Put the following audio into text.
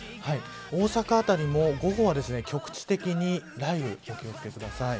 大阪あたりも午後は局地的に雷雨にお気を付けください。